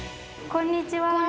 こんにちは。